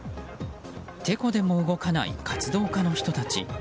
てこでも動かない活動家の人たち。